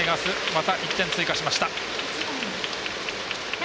また１点追加しました。